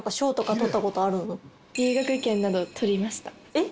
えっ。